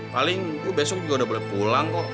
paling besok juga udah boleh pulang kok